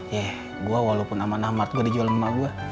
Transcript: ya gua walaupun sama nahmat gua dijual sama emak gua